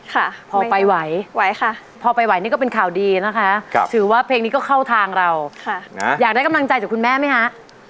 ก็แสดงว่าไม่ยากเท่าไหร่พอไปไหวพอไปไหวนี่ก็เป็นข่าวดีนะคะถือว่าเพลงนี้ก็เข้าทางเราอยากได้กำลังใจจากคุณแม่ไหมคะ